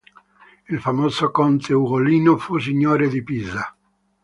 Il famoso conte Ugolino fu signore di Pisa.